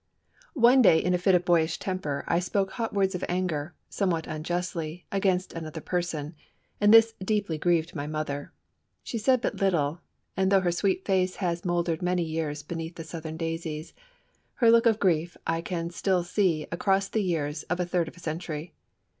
One day, in a fit of boyish temper, I spoke hot words of anger, somewhat unjustly, against another person, and this deeply grieved my mother. She said but little, and though her sweet face has mouldered many years beneath the Southern daisies, her look of grief I can still see across the years of a third of a century.